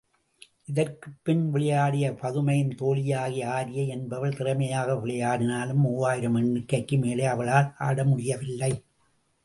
இதற்குப்பின் விளையாடிய பதுமையின் தோழியாகிய ஆரியை என்பவள், திறமையாக விளையாடினாலும், மூவாயிரம் எண்ணிக்கைக்கு மேலே அவளால் ஆடமுடியவில்லை.